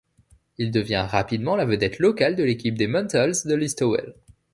Il devient rapidement la vedette locale de l'équipe des Mentals de Listowell.